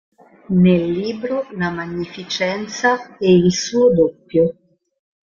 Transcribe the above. Nel libro "La magnificenza e il suo doppio.